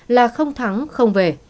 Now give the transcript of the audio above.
là không thắng không về